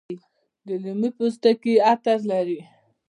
د لیمو پوستکي عطر لري.